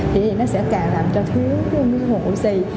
thì nó sẽ càng làm cho thiếu cái nguyên hồn oxy